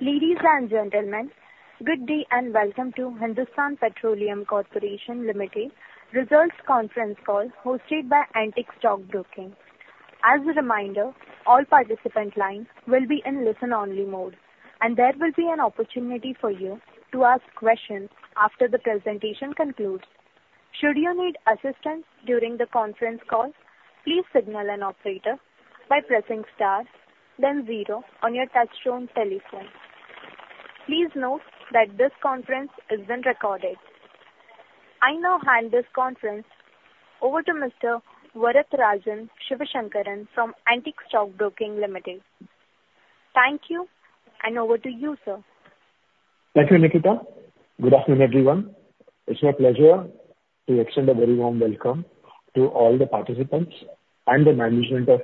Ladies and gentlemen, good day and welcome to Hindustan Petroleum Corporation Limited Results Conference Call, hosted by Antique Stock Broking. As a reminder, all participant lines will be in listen-only mode, and there will be an opportunity for you to ask questions after the presentation concludes. Should you need assistance during the conference call, please signal an operator by pressing star then zero on your touchtone telephone. Please note that this conference is being recorded. I now hand this conference over to Mr. Varatharajan Sivasankaran from Antique Stock Broking Limited. Thank you, and over to you, sir. Thank you, Nikita. Good afternoon, everyone. It's my pleasure to extend a very warm welcome to all the participants and the management of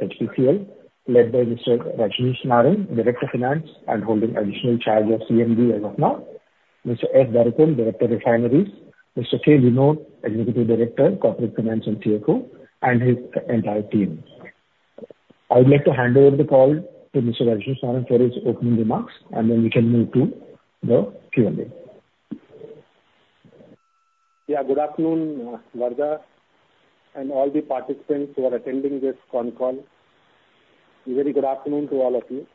HPCL, led by Mr. Rajneesh Narang, Director Finance, and holding additional charge of CMD as of now. Mr. S. Bharathan, Director, Refineries. Mr. K. Vinod, Executive Director, Corporate Finance and CFO, and his entire team. I would like to hand over the call to Mr. Rajneesh Narang for his opening remarks, and then we can move to the Q&A. Yeah, good afternoon, Varatha, and all the participants who are attending this con call. A very good afternoon to all of you.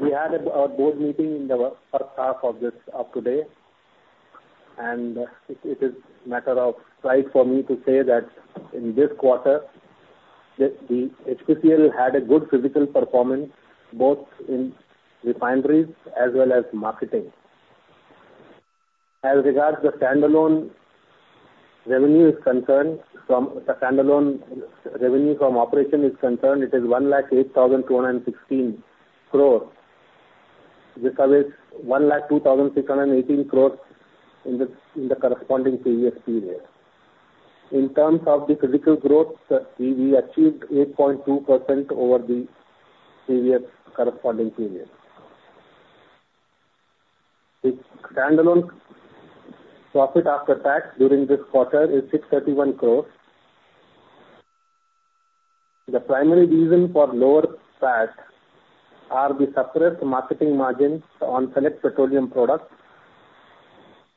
We had our board meeting in the first half of today, and it is a matter of pride for me to say that in this quarter, the HPCL had a good physical performance, both in refineries as well as marketing. As regards the standalone revenue from operations, it is 1,08,216 crore, which is 1,02,618 crore in the corresponding previous period. In terms of the physical growth, we achieved 8.2% over the previous corresponding period. The standalone profit after tax during this quarter is 631 crore. The primary reason for lower PAT are the suppressed marketing margins on Select Petroleum products,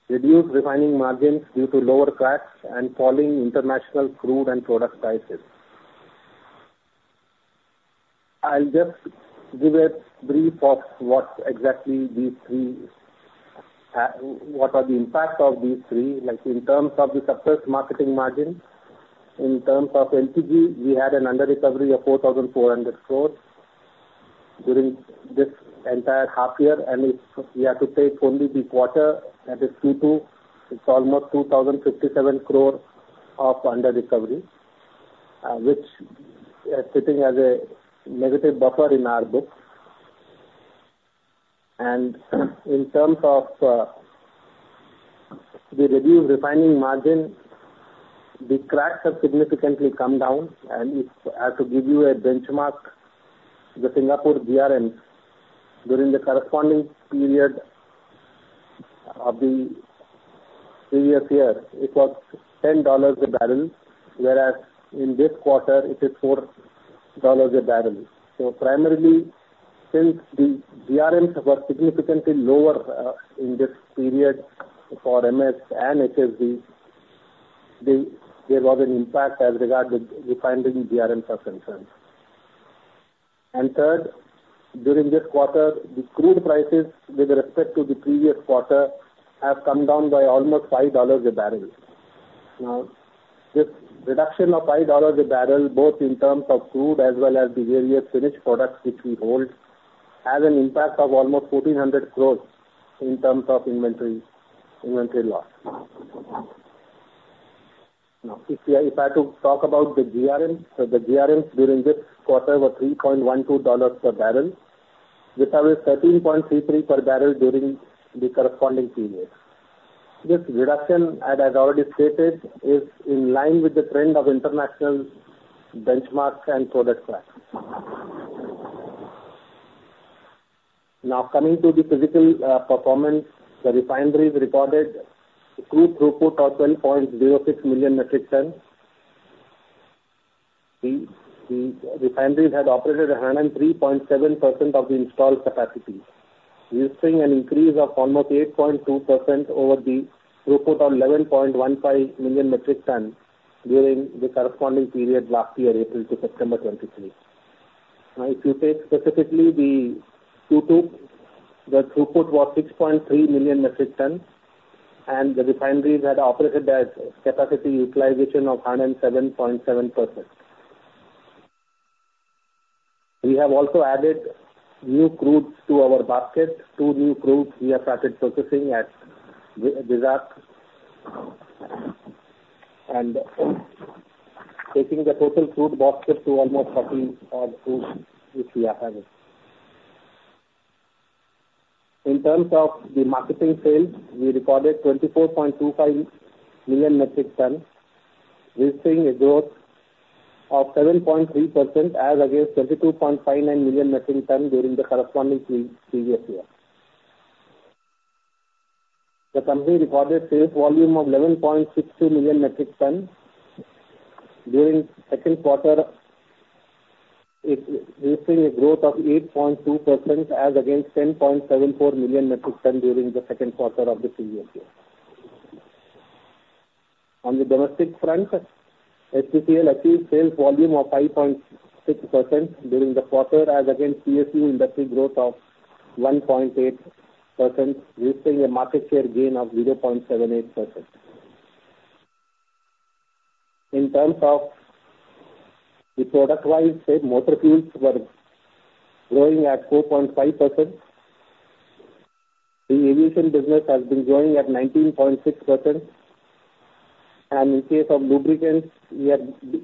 reduced refining margins due to lower cracks, and falling international crude and product prices. I'll just give a brief of what are the impact of these three. Like, in terms of the suppressed marketing margin, in terms of LPG, we had an underrecovery of 4,400 crore during this entire half year, and if we have to take only the quarter, that is Q2, it's almost 2,057 crore of underrecovery, which is sitting as a negative buffer in our books. In terms of the reduced refining margin, the cracks have significantly come down, and if I have to give you a benchmark, the Singapore GRMs, during the corresponding period of the previous year, it was $10 a barrel, whereas in this quarter it is $4 a barrel. Primarily, since the GRMs were significantly lower in this period for MS and HSD, there was an impact as regards the refining GRMs are concerned. Third, during this quarter, the crude prices with respect to the previous quarter, have come down by almost $5 a barrel. Now, this reduction of $5 a barrel, both in terms of crude as well as the various finished products which we hold, has an impact of almost 1,400 crore in terms of inventory, inventory loss. Now, if we are, if I have to talk about the GRMs, so the GRMs during this quarter were $3.12 per barrel, which was $13.33 per barrel during the corresponding period. This reduction, and as already stated, is in line with the trend of international benchmarks and product price. Now, coming to the physical performance, the refineries recorded crude throughput of 12.06 million metric ton. The refineries had operated 103.7% of the installed capacity, registering an increase of almost 8.2% over the throughput of 11.15 million metric ton during the corresponding period last year, April to September 2023. Now, if you take specifically the Q2, the throughput was 6.3 million metric tons, and the refineries had operated at capacity utilization of 107.7%. We have also added new crudes to our basket. Two new crudes we have started processing at Visakh, and taking the total crude basket to almost 30 odd crudes which we are having. In terms of the marketing sales, we recorded 24.25 million metric tons, registering a growth of 7.3% as against 22.59 million metric tons during the corresponding previous year. The company recorded sales volume of 11.62 million metric tons during second quarter, reaching a growth of 8.2% as against 10.74 million metric tons during the second quarter of the previous year. On the domestic front, HPCL achieved sales volume of 5.6% during the quarter, as against PSU industry growth of 1.8%, reaching a market share gain of 0.78%. In terms of the product-wise, say, motor fuels were growing at 4.5%. The aviation business has been growing at 19.6%, and in case of lubricants, we are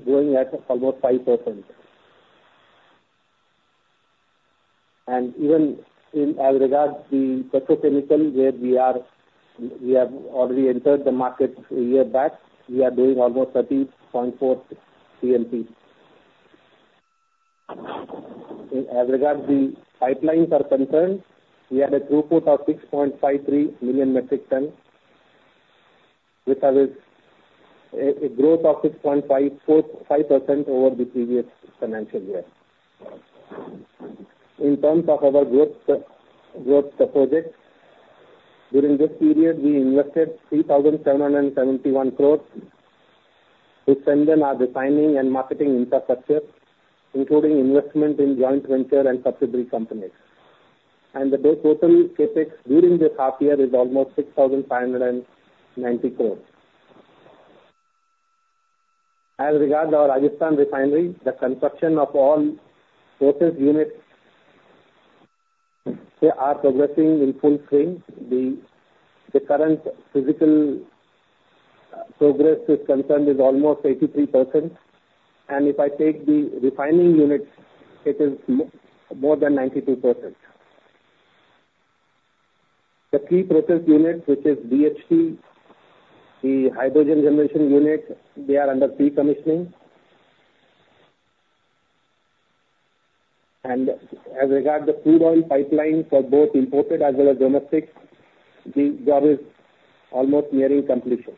growing at almost 5%. And even as regards the petrochemical, where we have already entered the market a year back, we are doing almost 30.4 TMT. As regards the pipelines are concerned, we had a throughput of 6.53 million metric tons vis-à-vis growth of 6.5% over the previous financial year. In terms of our growth projects, during this period, we invested 3,771 crore to strengthen our refining and marketing infrastructure, including investment in joint venture and subsidiary companies. And the total CapEx during this half year is almost 6,590 crore. As regards our Rajasthan Refinery, the construction of all process units, they are progressing in full swing. The current physical progress, as concerned, is almost 83%, and if I take the refining units, it is more than 92%. The key process unit, which is DHT, the hydrogen generation unit, they are under pre-commissioning. And as regards the crude oil pipeline for both imported as well as domestic, the job is almost nearing completion.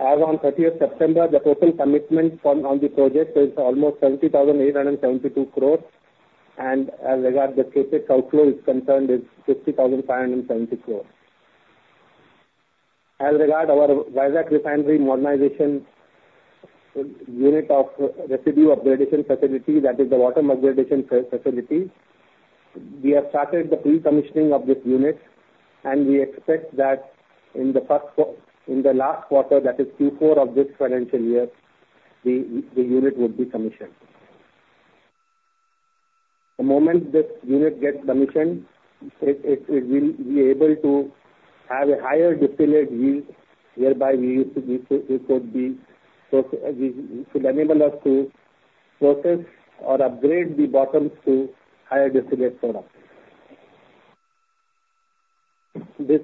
As on thirtieth September, the total commitment on the project is almost 70,872 crore, and as regards the CapEx outflow is concerned, it is 50,570 crore. As regards our Visakh Refinery Modernization Project unit of Residue Upgradation Facility, that is the Residue Upgradation Facility, we have started the pre-commissioning of this unit, and we expect that in the last quarter, that is Q4 of this financial year, the unit would be commissioned. The moment this unit gets commissioned, it will be able to have a higher distillate yield, whereby we used to be, it could be, so, it will enable us to process or upgrade the bottoms to higher distillate products. This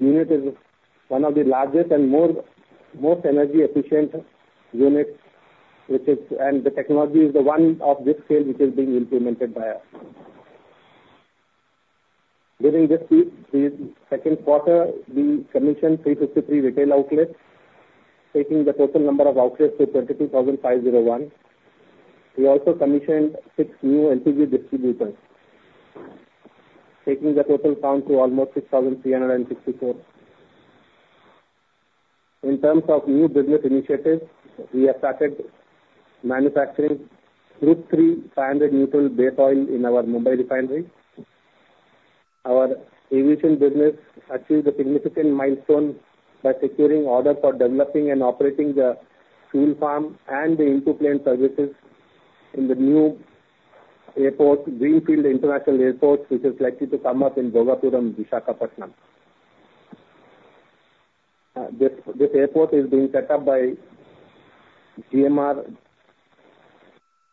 unit is one of the largest and most energy efficient units, and the technology is the one of this scale, which is being implemented by us. During this second quarter, we commissioned 353 retail outlets, taking the total number of outlets to 22,501. We also commissioned six new LPG distributors, taking the total count to almost 6,364. In terms of new business initiatives, we have started manufacturing Group III 500 Neutral base oil in our Mumbai Refinery. Our aviation business achieved a significant milestone by securing orders for developing and operating the fuel farm and the into plane services in the new airport, Greenfield International Airport, which is likely to come up in Bhogapuram, Visakhapatnam. This airport is being set up by GMR,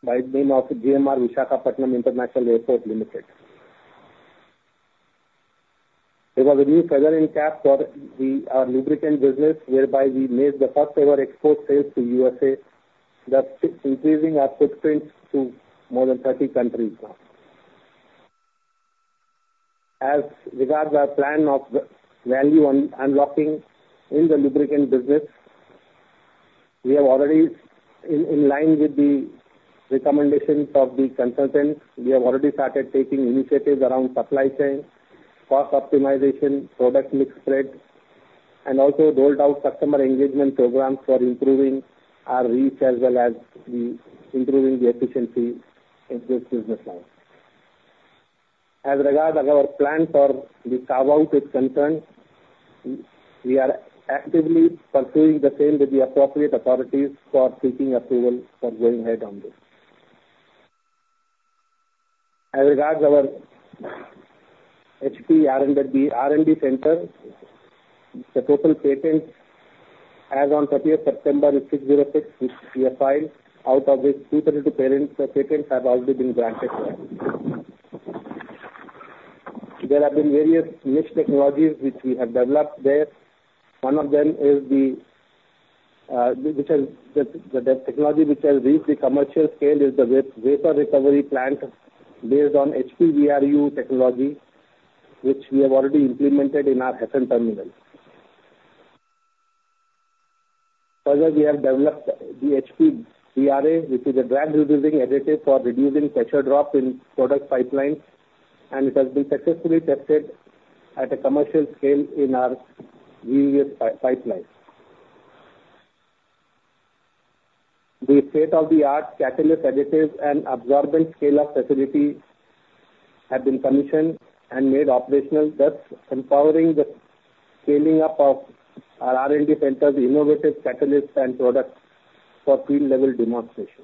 by the name of GMR Visakhapatnam International Airport Limited. It was a new feather in cap for our lubricant business, whereby we made the first ever export sales to U.S.A., thus increasing our footprint to more than 30 countries now. As regard our plan of the value unlocking in the lubricant business, we are already in line with the recommendations of the consultants. We have already started taking initiatives around supply chain, cost optimization, product mix spread, and also rolled out customer engagement programs for improving our reach, as well as improving the efficiency in this business line. As regard our plan for the carve-out is concerned, we are actively pursuing the same with the appropriate authorities for seeking approval for going ahead on this. As regards our HP R&D, R&D center, the total patents as on thirtieth September is 606, which we have filed. Out of which, 232 patents have already been granted. There have been various niche technologies which we have developed there. One of them is the technology which has reached the commercial scale is the vapor recovery plant based on HP-VRU technology, which we have already implemented in our Hassan terminal. Further, we have developed the HP-DRA, which is a drag-reducing additive for reducing pressure drop in product pipelines, and it has been successfully tested at a commercial scale in our VVS pipelines. The state-of-the-art catalyst, additives and absorbent scale-up facility have been commissioned and made operational, thus empowering the scaling up of our R&D centers, innovative catalysts and products for field-level demonstration.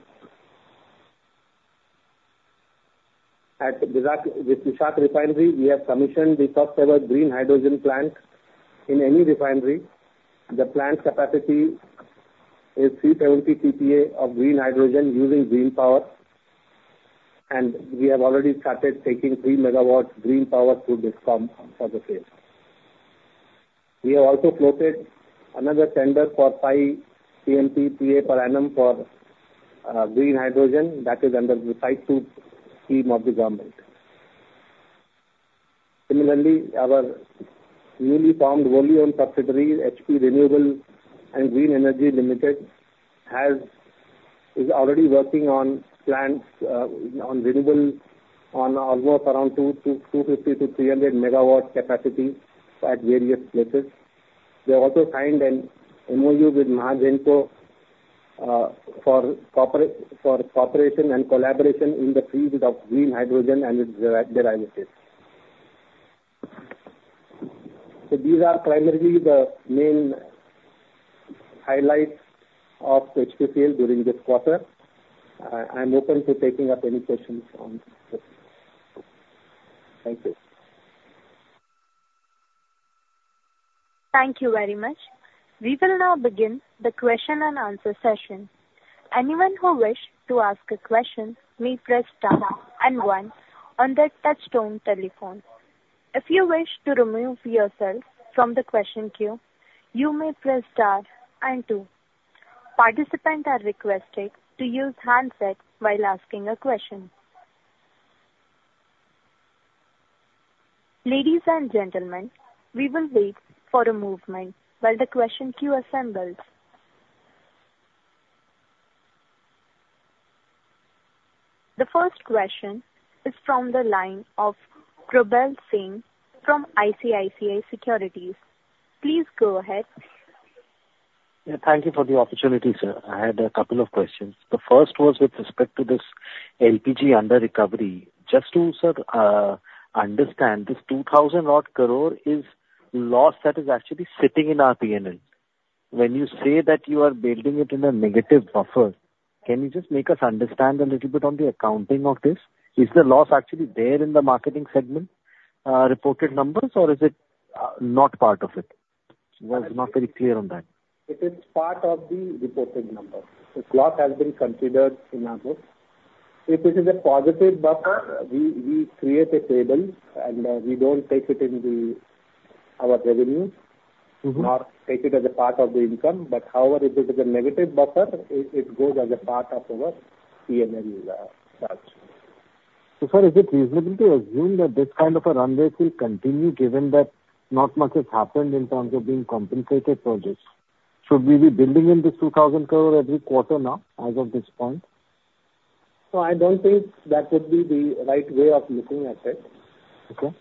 At Visakh, with Visakh Refinery, we have commissioned the first-ever green hydrogen plant in any refinery. The plant capacity is 370 TPA of green hydrogen using green power, and we have already started taking 3 MW green power to this pump for the same. We have also floated another tender for 5 MMTPA per annum for green hydrogen that is under the SIGHT Scheme of the government. Similarly, our newly formed wholly-owned subsidiary, HPCL Renewable & Green Energy Limited, is already working on plants on renewable, on almost around 250-300 MW capacity at various places. We have also signed an MOU with MAHAGENCO for cooperation and collaboration in the field of green hydrogen and its derivatives. These are primarily the main highlights of HPCL during this quarter. I'm open to taking up any questions on this. Thank you. Thank you very much. We will now begin the question and answer session. Anyone who wish to ask a question may press star and one on their touchtone telephone. If you wish to remove yourself from the question queue, you may press star and two. Participants are requested to use handset while asking a question. Ladies and gentlemen, we will wait for a moment while the question queue assembles. The first question is from the line of Probal Sen from ICICI Securities. Please go ahead. Yeah, thank you for the opportunity, sir. I had a couple of questions. The first was with respect to this LPG underrecovery. Just to, sir, understand, this 2,000-odd crore is loss that is actually sitting in our P&L. When you say that you are building it in a negative buffer, can you just make us understand a little bit on the accounting of this? Is the loss actually there in the marketing segment, reported numbers, or is it, not part of it? I'm not very clear on that. It is part of the reported number. The loss has been considered in our books. If it is a positive buffer, we create a table, and we don't take it in our revenue- Mm-hmm. not take it as a part of the income. But however, if it is a negative buffer, it goes as a part of our P&L balance. So, sir, is it reasonable to assume that this kind of a runway will continue, given that not much has happened in terms of the compensated projects? Should we be building in 2,000 crore every quarter now, as of this point? No, I don't think that would be the right way of looking at it. Okay.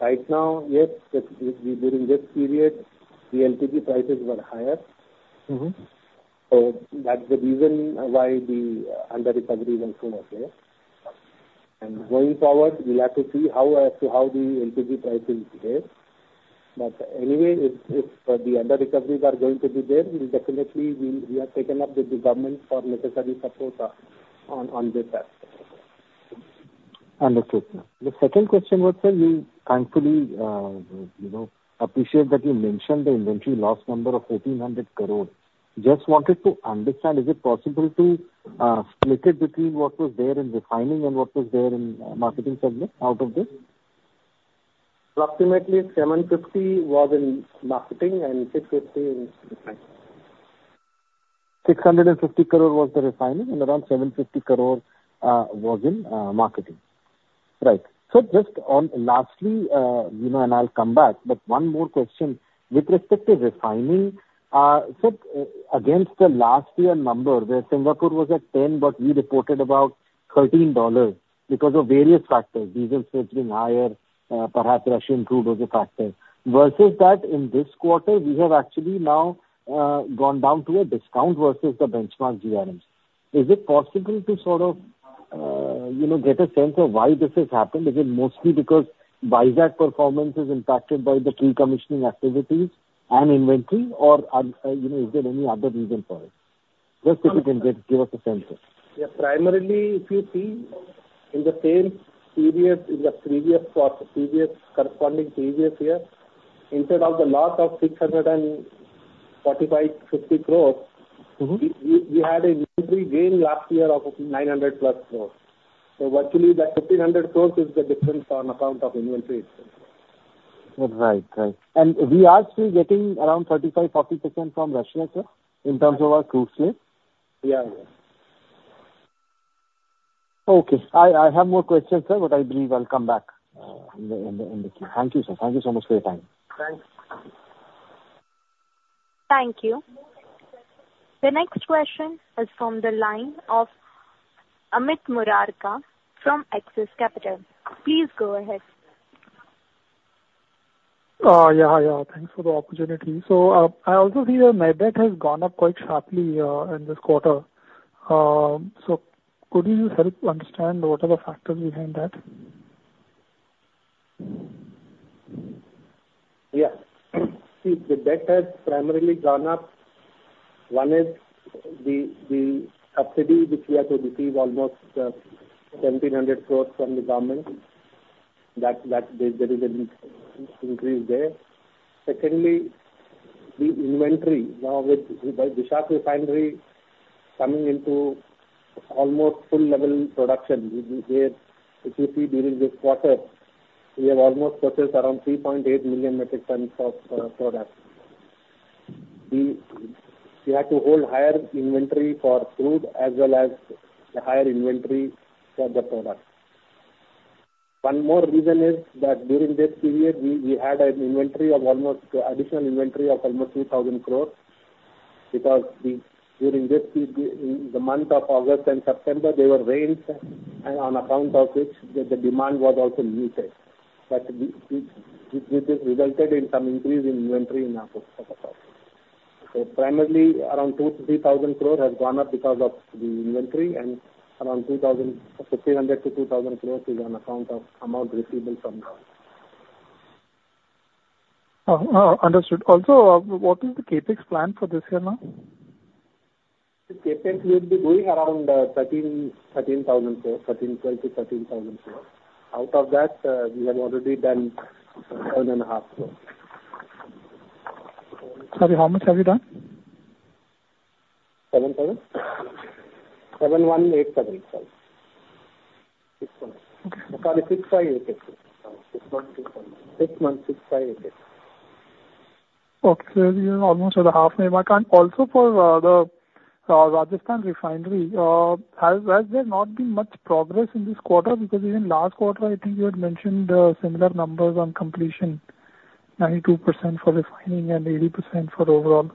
Right now, yes, that during this period, the LPG prices were higher. Mm-hmm. So that's the reason why the underrecovery was there. And going forward, we'll have to see how the LPG prices behave. But anyway, if the underrecoveries are going to be there, we'll definitely have taken up with the government for necessary support on this aspect. Understood, sir. The second question was, sir, we thankfully, you know, appreciate that you mentioned the inventory loss number of 1,400 crore. Just wanted to understand, is it possible to split it between what was there in refining and what was there in marketing segment out of this? Approximately 750 crore was in marketing and 650 crore in refining. 650 crore was the refining, and around 750 crore was in marketing. Right. So just on lastly, you know, and I'll come back, but one more question. With respect to refining, so against the last year number, where Singapore was at 10, but we reported about $13 because of various factors, diesel switching higher, perhaps Russian crude was a factor. Versus that, in this quarter, we have actually now gone down to a discount versus the benchmark GRMs. Is it possible to sort of, you know, get a sense of why this has happened? Is it mostly because Visakh performance is impacted by the key commissioning activities and inventory, or, you know, is there any other reason for it? Just if you can give us a sense here. Yeah. Primarily, if you see in the same period in the corresponding previous year, instead of the loss of 645.50 crore. We had an inventory gain last year of 900+ crore. So virtually, that 1,500 crore is the difference on account of inventory. Right. Right. And we are still getting around 35%-40% from Russia, sir, in terms of our crude sales? Yeah, yeah. Okay. I have more questions, sir, but I believe I'll come back in the queue. Thank you, sir. Thank you so much for your time. Thanks. Thank you. The next question is from the line of Amit Murarka from Axis Capital. Please go ahead. Yeah, yeah. Thanks for the opportunity. So, I also see your net debt has gone up quite sharply in this quarter. So could you help understand what are the factors behind that? Yeah. See, the debt has primarily gone up. One is the subsidy which we have to receive almost 1,700 crore from the government, that there is an increase there. Secondly, the inventory. Now, with Visakh Refinery coming into almost full level production, we, where if you see during this quarter, we have almost purchased around 3.8 million metric tons of product. We had to hold higher inventory for crude as well as a higher inventory for the product. One more reason is that during this period, we had an inventory of almost additional inventory of almost 2,000 crore, because during this period, in the month of August and September, there were rains, and on account of which the demand was also muted. But this resulted in some increase in inventory in our ports of the product. So primarily, around 2,000 crore-3,000 crore has gone up because of the inventory cost and around 1,500 crore-2,000 crore is on account of amount receivable from government. Understood. Also, what is the CapEx plan for this year now? The CapEx will be going around INR 13,000 crore, INR 12,000 crore-INR 13,000 crore. Out of that, we have already done INR 7,500 crore. Sorry, how much have you done? INR 7,000 crore? INR 7,178 crore, sorry. Six point. Okay. Sorry, INR 6,588 crore. INR 6165.88 crore. Okay, so you're almost at the halfway mark. And also for the Rajasthan Refinery, has there not been much progress in this quarter? Because in last quarter, I think you had mentioned similar numbers on completion, 92% for refining and 80% for overall. No, no. Refining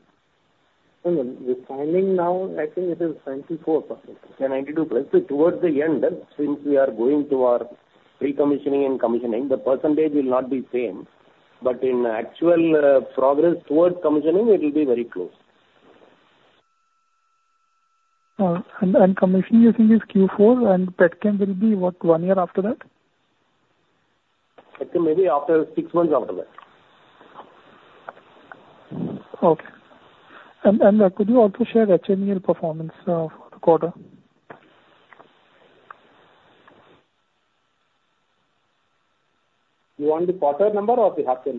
now, I think it is 94%. Yeah, 92%. So towards the end, since we are going to our pre-commissioning and commissioning, the percentage will not be same. But in actual, progress towards commissioning, it will be very close. And commissioning you think is Q4, and Petchem will be what, one year after that? It may be after six months after that. Okay, and could you also share HMEL performance for the quarter? You want the quarter number or the half year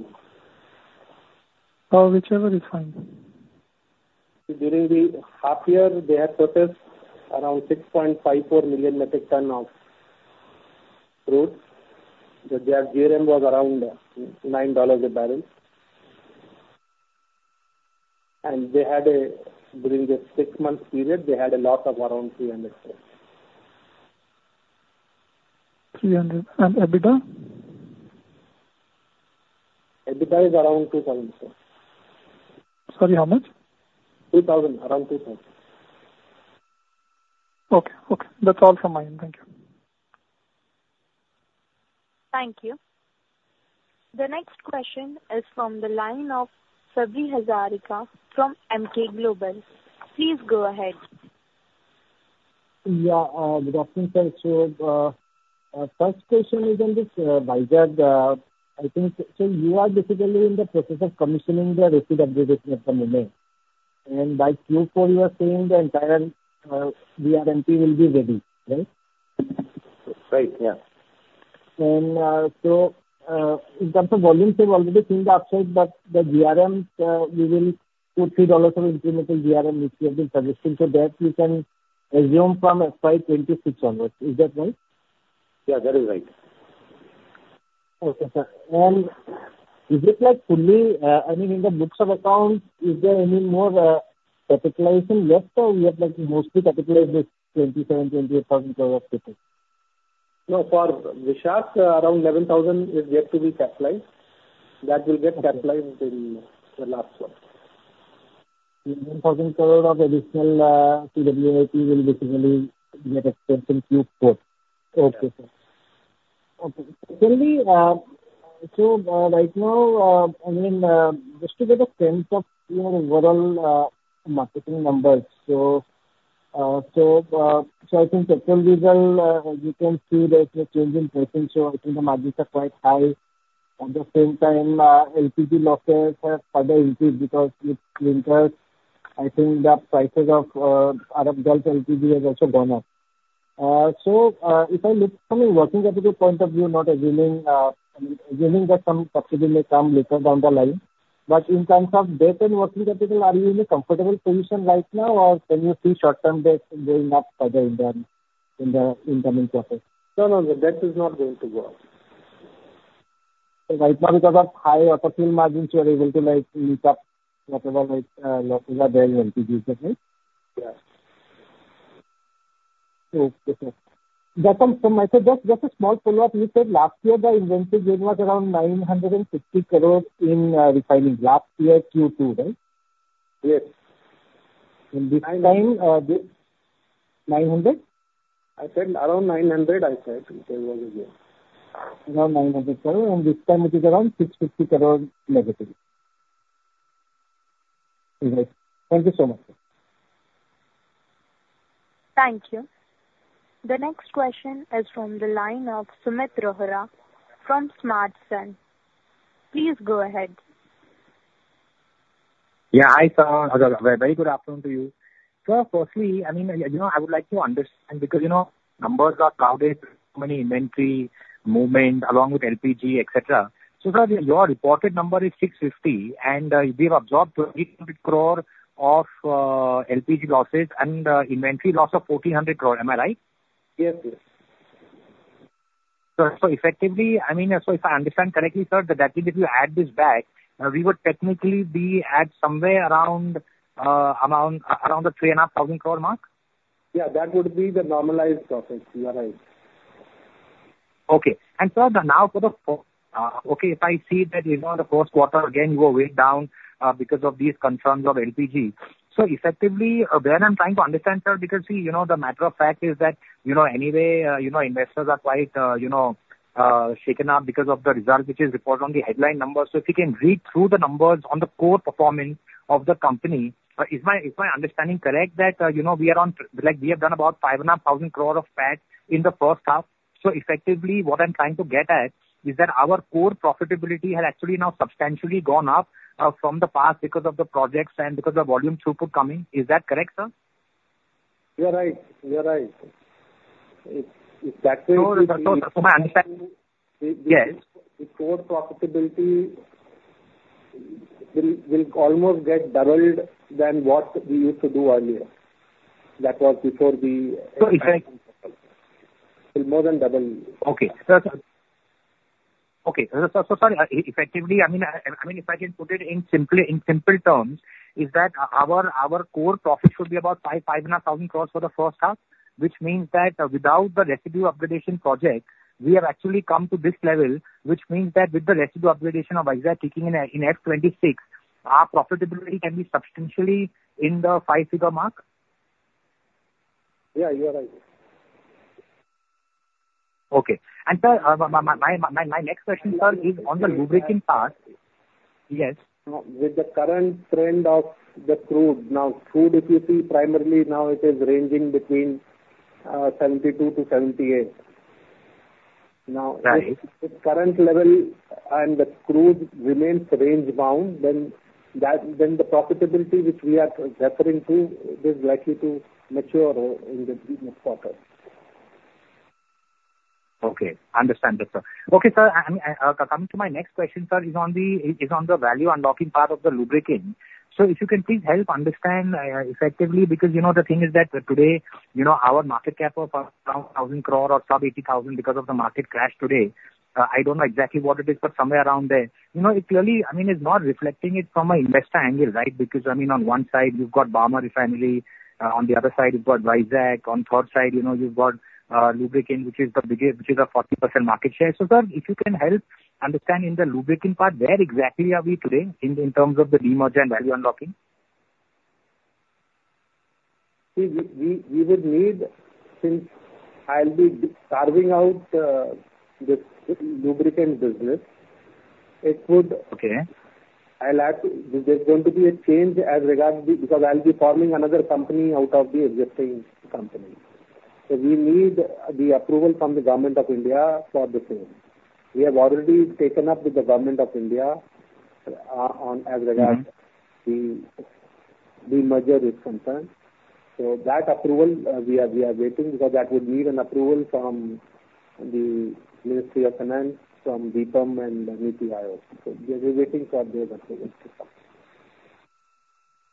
number? Whichever is fine. During the half year, they had processed around 6.54 million metric tons of crude. Their GRM was around $9 a barrel. And during the six-month period, they had a loss of around 300 crore. 300 crore, and EBITDA? EBITDA is around 2,000 crore. Sorry, how much? 2,000 crore, around 2,000 crore. Okay. Okay, that's all from my end. Thank you. Thank you. The next question is from the line of Sabri Hazarika from Emkay Global. Please go ahead. Yeah, good afternoon, sir. So, first question is on this Vizag. I think, so you are basically in the process of commissioning the residue upgradation at the moment, and by Q4 you are saying the entire VRMP will be ready, right? Right, yeah. In terms of volumes, you've already seen the upside, but the GRMs, you will $2-$3 of incremental GRM, which you have been suggesting, so that you can assume from FY 2026 onwards. Is that right? Yeah, that is right. Okay, sir. And is it like fully, I mean, in the books of accounts, is there any more capitalization left, or we have like mostly capitalized this 27,000 crore-28,000 crore of CapEx? No, for Visakh, around 11,000 crore is yet to be capitalized. That will get capitalized in the last one. 11,000 crore of additional CWIP will basically get spent in Q4. Yeah. Okay, sir. Okay. Secondly, so, right now, I mean, just to get a sense of your overall marketing numbers. So, I think September result, as you can see there is a change in %, so I think the margins are quite high. At the same time, LPG losses have further increased because with winters, I think the prices of Arab Gulf LPG has also gone up. So, if I look from a working capital point of view, not assuming, I mean, assuming that some possibly may come later down the line, but in terms of debt and working capital, are you in a comfortable position right now, or can you see short-term debt going up further in the incoming quarter? No, no, the debt is not going to go up. So right now, because of high operational margins, you are able to like, meet up whatever losses are there in LPG, is that right? Yes. Okay, okay. Welcome. So myself, just a small follow-up. You said last year the inventory gain was around 950 crore in refining. Last year, Q2, right? Yes. And this time, 900 crore? I said around 900 crore, I said. Around 900 crore, and this time it is around 650 crore less than. Okay. Thank you so much. Thank you. The next question is from the line of Sumeet Rohra from Smartsun. Please go ahead. Yeah, hi, sir. Very good afternoon to you. Sir, firstly, I mean, you know, I would like to understand, because, you know, numbers are crowded, so many inventory movement along with LPG, et cetera. So sir, your reported number is 650 crore, and we've absorbed 20 crore of LPG losses and inventory loss of 1,400 crore. Am I right? Yes, yes. So effectively, I mean, if I understand correctly, sir, that means if you add this back, we would technically be at somewhere around 3,500 crore. Yeah, that would be the normalized profit. You are right. Okay. And sir, now for the, okay, if I see that, you know, the first quarter again, you were weighed down because of these concerns of LPG. So effectively, where I'm trying to understand, sir, because see, you know, the matter of fact is that, you know, anyway, investors are quite shaken up because of the result, which is reported on the headline number. So if you can read through the numbers on the core performance of the company, is my understanding correct that, you know, we are on, like, we have done about 5,500 crore of PAT in the first half. So effectively, what I'm trying to get at is that our core profitability has actually now substantially gone up, from the past because of the projects and because the volume throughput coming. Is that correct, sir? You're right. You're right. It's exactly- So, my understanding... Yes. The core profitability will almost get doubled than what we used to do earlier. That was before we- So effect- It more than double. Okay. Sir, so sorry, effectively, I mean, if I can put it in simple terms, is that our core profit should be about 5,000 crore-5,500 crore for the first half, which means that without the residue upgrading project, we have actually come to this level, which means that with the residue upgrading of Visakh kicking in at 2026, our profitability can be substantially in the five figure mark? Yeah, you are right. Okay. And sir, my next question, sir, is on the lubricating part. Yes. With the current trend of the crude, if you see primarily now it is ranging between $72 and $78. Right. Now, if the current level and the crude remains range bound, then that profitability which we are referring to is likely to mature in the next quarter. Okay, understandable, sir. Okay, sir, coming to my next question, sir, is on the value unlocking part of the lubricant. So if you can please help understand, effectively, because, you know, the thing is that today, you know, our market cap of around 1,000 crore or sub-80,000 crore because of the market crash today, I don't know exactly what it is, but somewhere around there. You know, it clearly, I mean, it's not reflecting it from an investor angle, right? Because, I mean, on one side, you've got Barmer Refinery, on the other side, you've got Visakh, on third side, you know, you've got lubricant, which is the biggest, which is a 40% market share. So sir, if you can help understand in the lubricant part, where exactly are we today in terms of the demerger and value unlocking? We will need... Since I'll be carving out the lubricant business, it would. I'll have to... There's going to be a change as regards the, because I'll be forming another company out of the existing company. So we need the approval from the Government of India for the same. We have already taken up with the Government of India, on, as regards the merger is concerned. So that approval, we are waiting, because that would need an approval from the Ministry of Finance, from DIPAM and NITI Aayog also. So we are waiting for their approval to come.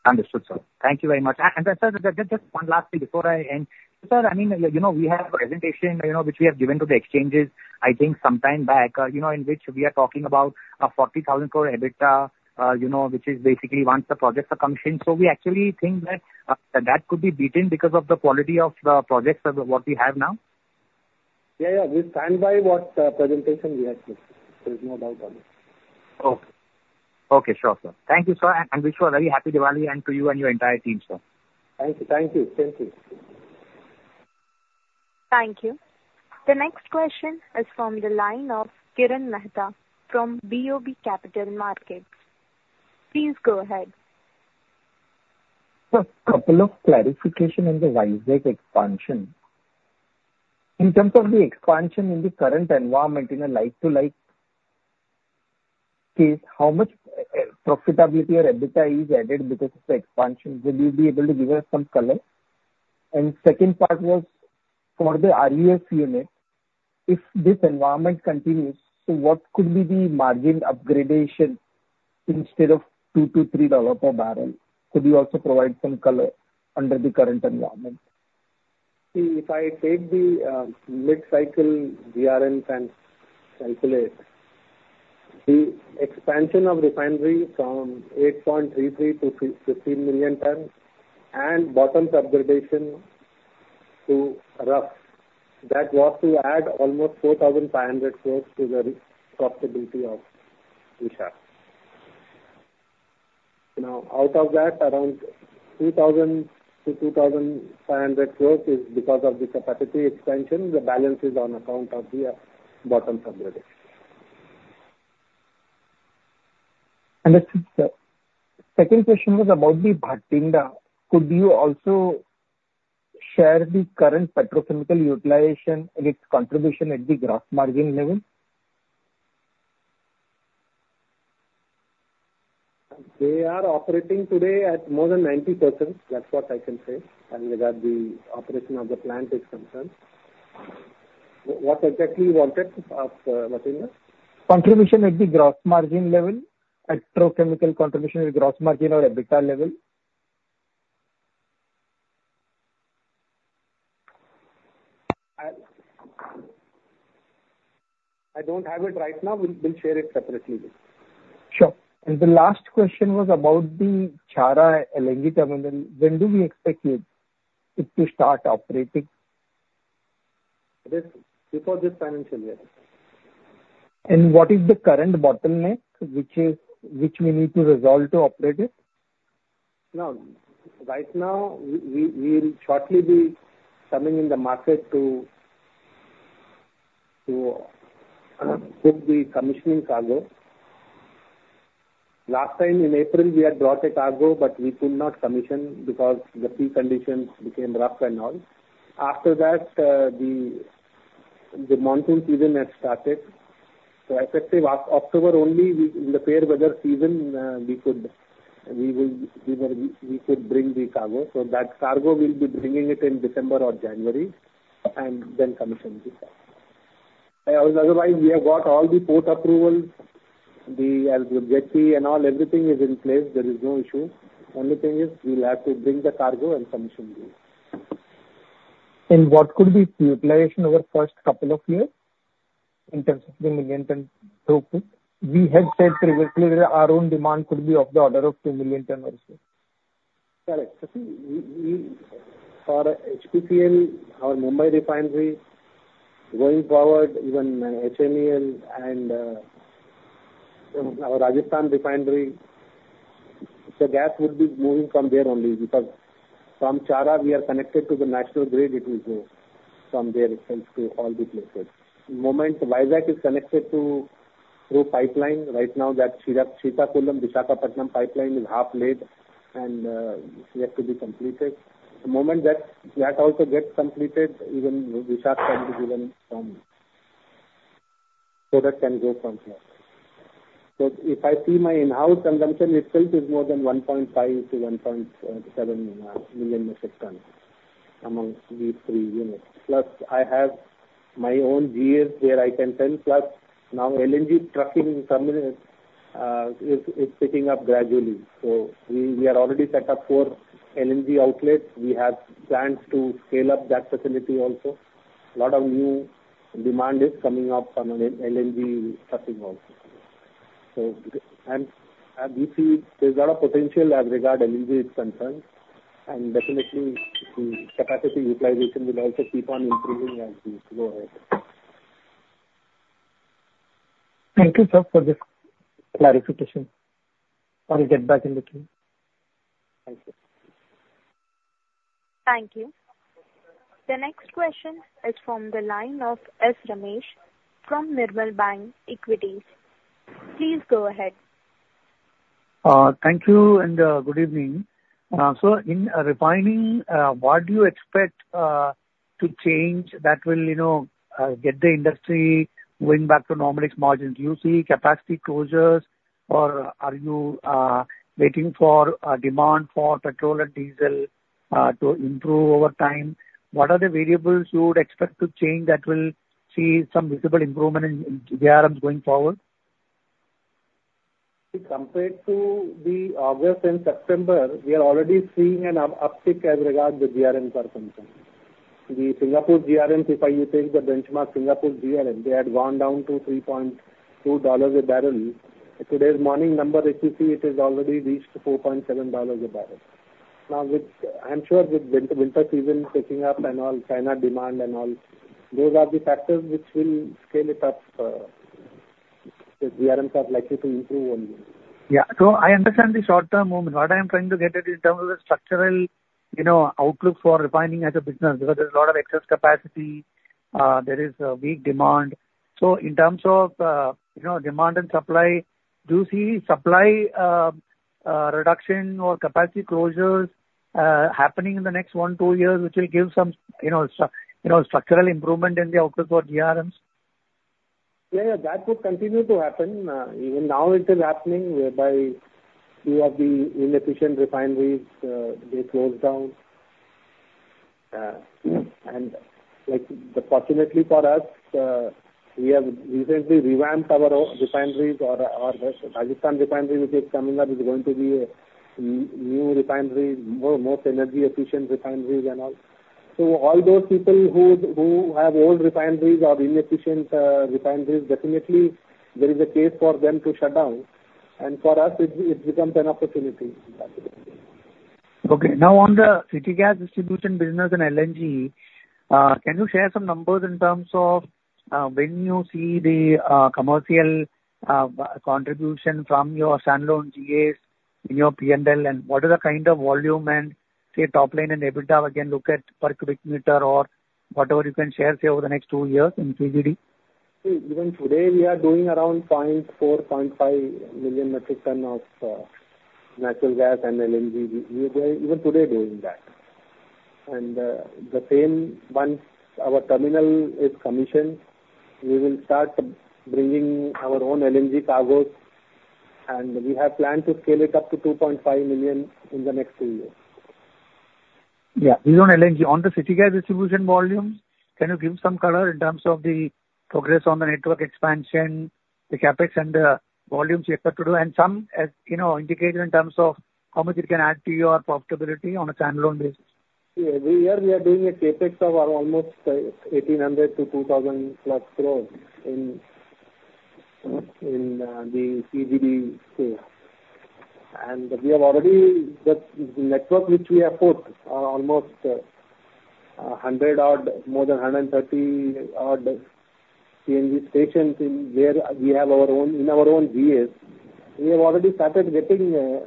Understood, sir. Thank you very much. Sir, just one last thing before I end. Sir, I mean, you know, we have a presentation, you know, which we have given to the exchanges, I think sometime back, you know, in which we are talking about 40,000 crore EBITDA, you know, which is basically once the projects are commissioned. So we actually think that that could be beaten because of the quality of the projects of what we have now? Yeah, yeah, we stand by what presentation we have put. There is no doubt about it. Okay. Okay, sure, sir. Thank you, sir, and wish you a very happy Diwali, and to you and your entire team, sir. Thank you. Thank you. Thank you. Thank you. The next question is from the line of Kirtan Mehta from BOB Capital Markets. Please go ahead. Sir, couple of clarification on the Vizag expansion. In terms of the expansion in the current environment, okay, how much profitability or EBITDA is added because of the expansion? Will you be able to give us some color? And second part was for the RUF unit, if this environment continues, so what could be the margin upgradation instead of $2-$3 per barrel? Could you also provide some color under the current environment? See, if I take the mid-cycle GRM and calculate, the expansion of refinery from 8.33 million tons to 15 million tons and bottoms upgradation to RUF, that was to add almost 4,500 crore to the profitability of Visakh. Now, out of that, around 2,000 crore-2,500 crore is because of the capacity expansion. The balance is on account of the bottom upgradation. Understood, sir. Second question was about the Bathinda. Could you also share the current petrochemical utilization and its contribution at the gross margin level? They are operating today at more than 90%. That's what I can say as regards the operation of the plant is concerned. What exactly you wanted of Bathinda? Contribution at the gross margin level, petrochemical contribution at gross margin or EBITDA level. I don't have it right now. We'll share it separately. Sure. And the last question was about the Chhara LNG terminal. When do we expect it to start operating? This, before this financial year. What is the current bottleneck, which we need to resolve to operate it? No, right now, we'll shortly be coming in the market to book the commissioning cargo. Last time in April, we had brought a cargo, but we could not commission because the sea conditions became rough and all. After that, the monsoon season has started. So effective October only, we in the fair weather season, we will, you know, bring the cargo. So that cargo will be bringing it in December or January, and then commission this. Otherwise, we have got all the port approvals, the jetty and all. Everything is in place, there is no issue. Only thing is, we'll have to bring the cargo and commission this. What could be the utilization over first couple of years in terms of the million ton throughput? We had said previously that our own demand could be of the order of 2 million tons also. Correct. So we for HPCL, our Mumbai Refinery, going forward, even HMEL and our Rajasthan refinery, so gas will be moving from there only. Because from Chhara, we are connected to the national grid, it will go from there itself to all the places. The moment Visakh is connected through pipeline, right now, that Srikakulam-Visakhapatnam pipeline is half made and yet to be completed. The moment that also gets completed, even Visakh can be given some, so that can go from here. So if I see my in-house consumption itself is more than 1.5-1.7 million metric ton amongst these three units. Plus, I have my own GAs where I can sell, plus now LNG trucking terminal is picking up gradually. So we are already set up for LNG outlets. We have plans to scale up that facility also. A lot of new demand is coming up on an LNG trucking also. We see there's a lot of potential as regards LNG is concerned, and definitely, the capacity utilization will also keep on improving as we go ahead. Thank you, sir, for this clarification. I'll get back in the queue. Thank you. Thank you. The next question is from the line of S. Ramesh from Nirmal Bang Equities. Please go ahead. Thank you, and good evening. So in refining, what do you expect to change that will, you know, get the industry going back to normal GRMs? Do you see capacity closures, or are you waiting for a demand for petrol and diesel to improve over time? What are the variables you would expect to change that will see some visible improvement in GRMs going forward? Compared to the August and September, we are already seeing an uptick as regards the GRM performance. The Singapore GRM, if I use the benchmark Singapore GRM, they had gone down to $3.2 a barrel. Today's morning number, if you see, it has already reached $4.7 a barrel. Now, with I'm sure with winter season picking up and all, China demand and all, those are the factors which will scale it up. The GRMs are likely to improve only. Yeah, so I understand the short-term movement. What I am trying to get at in terms of the structural, you know, outlook for refining as a business, because there's a lot of excess capacity, there is a weak demand, so in terms of, you know, demand and supply, do you see supply, reduction or capacity closures, happening in the next one, two years, which will give some, you know, structural improvement in the outlook for GRMs? Yeah, yeah, that would continue to happen. Even now it is happening, whereby few of the inefficient refineries, they close down. And, like, but fortunately for us, we have recently revamped our own refineries, or the Rajasthan refinery, which is coming up, is going to be a new refinery, most energy efficient refineries and all. So all those people who have old refineries or inefficient refineries, definitely there is a case for them to shut down, and for us, it becomes an opportunity in that way. Okay. Now, on the City Gas distribution business and LNG, can you share some numbers in terms of, when you see the commercial contribution from your standalone GAs in your P&L, and what is the kind of volume and, say, top line and EBITDA we can look at per cubic meter or whatever you can share, say, over the next two years in CGD? See, even today, we are doing around 0.4-0.5 million metric ton of natural gas and LNG. We even today doing that. And the same, once our terminal is commissioned, we will start bringing our own LNG cargos, and we have planned to scale it up to 2.5 million in the next two years. Yeah, based on LNG. On the City Gas distribution volume, can you give some color in terms of the progress on the network expansion, the CapEx and the volumes you expect to do? And some, you know, indicator in terms of how much it can add to your profitability on a standalone basis. Yeah. Every year we are doing a CapEx of around almost 1,800 crore-2,000+ crore in the CGD space. And we have already the network which we have put almost 100-odd, more than 100 and 130-odd CNG stations in where we have our own, in our own GAs, we have already started getting the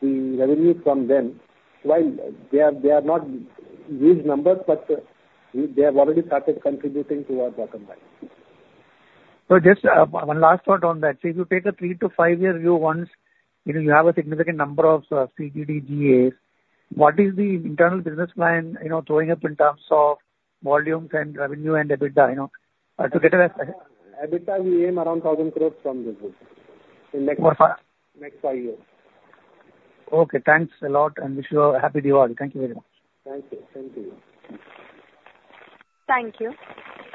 revenue from them. While they are they are not huge numbers, but they have already started contributing to our bottom line. So just, one last thought on that. So if you take a three to five-year view, once, you know, you have a significant number of CGD GAs, what is the internal business plan, you know, throwing up in terms of volumes and revenue and EBITDA, you know, to get an estimate? EBITDA, we aim around 1,000 crore from this business- More far-- Next five years. Okay, thanks a lot, and wish you a Happy Diwali. Thank you very much. Thank you. Thank you. Thank you.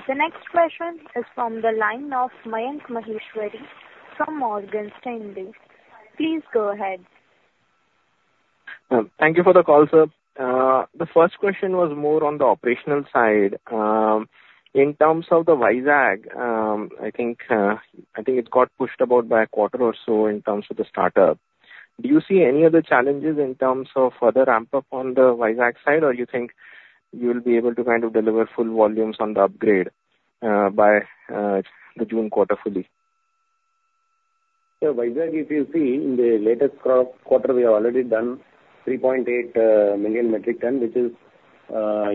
The next question is from the line of Mayank Maheshwari from Morgan Stanley. Please go ahead. Thank you for the call, sir. The first question was more on the operational side. In terms of the Vizag, I think it got pushed about by a quarter or so in terms of the startup. Do you see any other challenges in terms of further ramp up on the Vizag side, or you think you'll be able to kind of deliver full volumes on the upgrade, by the June quarter fully? So Vizag, if you see in the latest quarter, we have already done 3.8 million metric ton, which is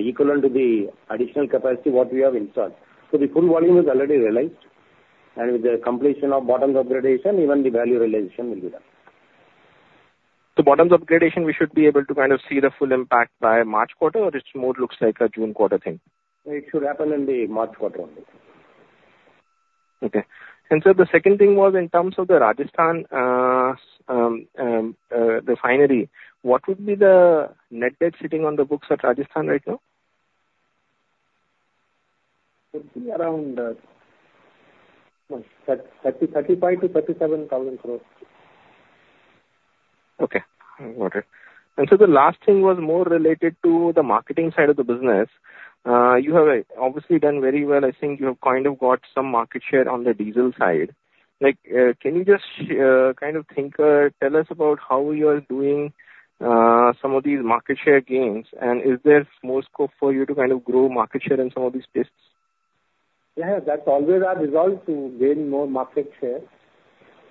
equivalent to the additional capacity what we have installed. So the full volume is already realized, and with the completion of bottoms upgradation, even the value realization will be there. So bottoms upgradation, we should be able to kind of see the full impact by March quarter, or it more looks like a June quarter thing? It should happen in the March quarter only. Okay, and so the second thing was in terms of the Rajasthan refinery. What would be the net debt sitting on the books at Rajasthan right now? It would be around 35,000 crore-37,000 crore. Okay, got it. And so the last thing was more related to the marketing side of the business. You have obviously done very well. I think you have kind of got some market share on the diesel side. Like, can you just kind of tell us about how you are doing some of these market share gains? And is there more scope for you to kind of grow market share in some of these spaces? Yeah, that's always our resolve, to gain more market share.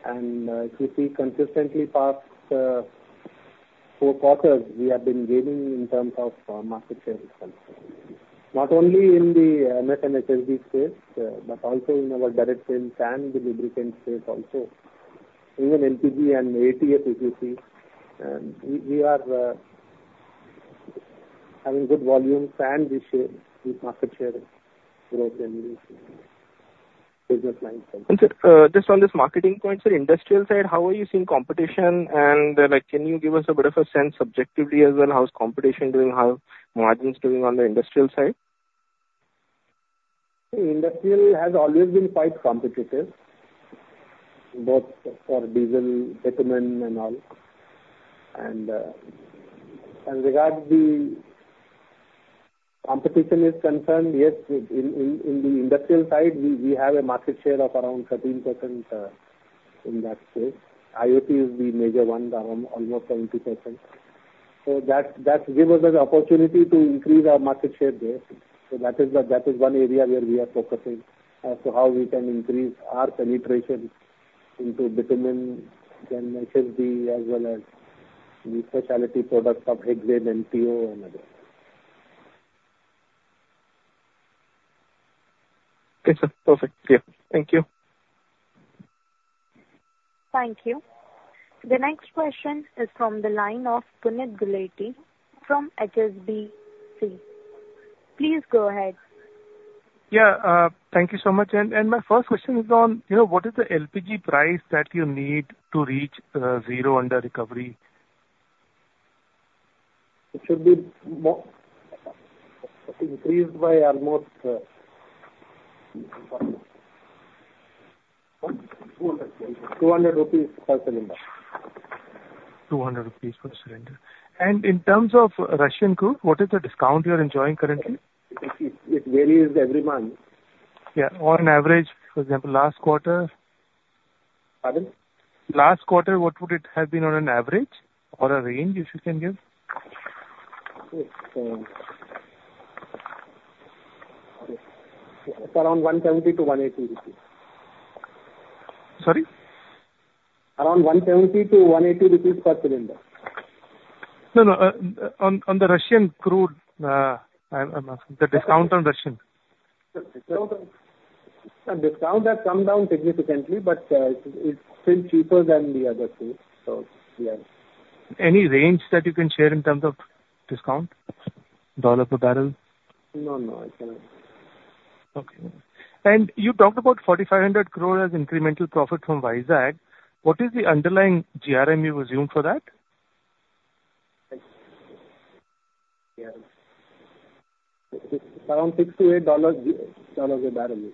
And, if you see consistently past four quarters, we have been gaining in terms of market share as well. Not only in the MS and HSD space, but also in our direct sales and the lubricant space also. Even LPG and ATF, if you see, we are having good volumes and we share the market share growth and business line. Sir, just on this marketing point, sir, industrial side, how are you seeing competition? Like, can you give us a bit of a sense subjectively as well, how is competition doing, how margins doing on the industrial side? Industrial has always been quite competitive, both for diesel, bitumen, and all. As regard the competition is concerned, yes, in the industrial side, we have a market share of around 13% in that space. IOC is the major one, around almost 70%. So that give us an opportunity to increase our market share there. So that is one area where we are focusing, as to how we can increase our penetration into bitumen, then HSD, as well as the specialty products of Hexane, MTO, and others. Okay, sir. Perfect. Clear. Thank you. Thank you. The next question is from the line of Puneet Gulati from HSBC. Please go ahead. Yeah, thank you so much. And my first question is on, you know, what is the LPG price that you need to reach zero underrecovery? It should be more, increased by almost 200 rupees per cylinder. 200 rupees per cylinder. In terms of Russian crude, what is the discount you are enjoying currently? It varies every month. Yeah, on average, for example, last quarter. Pardon? Last quarter, what would it have been on an average, or a range, if you can give? It's around 170-180 rupees. Sorry? Around 170-180 rupees per cylinder. No, no. On the Russian crude, I'm asking. The discount on Russian. The discount has come down significantly, but it's still cheaper than the other two, so yeah. Any range that you can share in terms of discount, dollar per barrel? No, no, I cannot. Okay. And you talked about 4,500 crore as incremental profit from Vizag. What is the underlying GRM you assumed for that? Yeah. Around $6-$8 a barrel.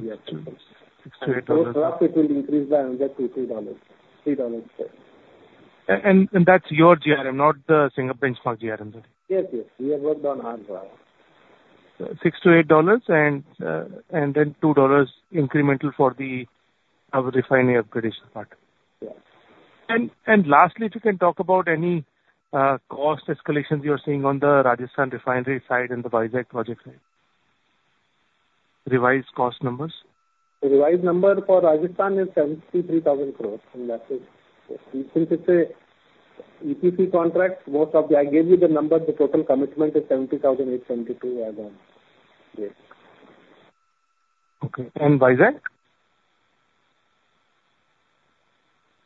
$6-$8. It will increase by $2-$3. And that's your GRM, not the Singapore benchmark GRM? Yes, yes. We have worked on our GRM. $6-$8, and then $2 incremental for our refinery upgradation part. Yes. Lastly, if you can talk about any cost escalations you are seeing on the Rajasthan Refinery side and the Vizag project side. Revised cost numbers. The revised number for Rajasthan is 73,000 crore, and that is, since it's an EPC contract, most of the... I gave you the number, the total commitment is 70,872 crore as on date. Okay, and Vizag?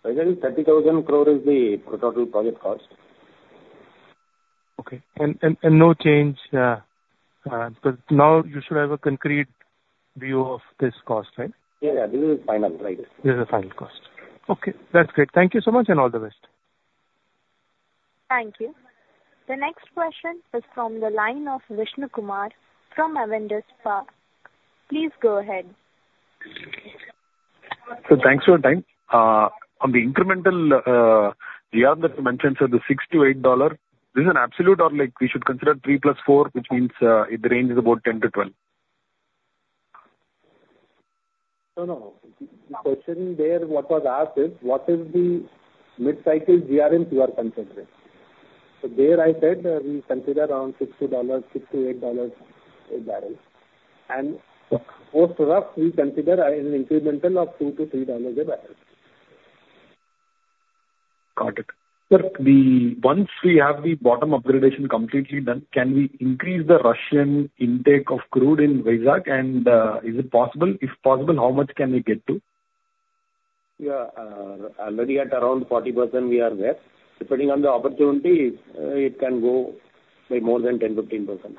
Visakh, 30,000 crore is the total project cost. Okay. And no change. Because now you should have a concrete view of this cost, right? Yeah, this is final, right? This is the final cost. Okay, that's great. Thank you so much, and all the best. Thank you. The next question is from the line of Vishnu Kumar from Avendus Spark. Please go ahead. Sir, thanks for your time. On the incremental GRM that you mentioned, so the $6-$8, this is an absolute or like we should consider three plus four, which means, it ranges about $10-$12? No, no. The question there, what was asked is, what is the mid-cycle GRMs you are considering? So there I said, we consider around $6, $6-$8 a barrel. And post RUF, we consider an incremental of $2-$3 a barrel. Got it. Sir, once we have the bottom upgradation completely done, can we increase the Russian intake of crude in Vizag, and is it possible? If possible, how much can we get to? Yeah, already at around 40% we are there. Depending on the opportunity, it can go by more than 10%-15%.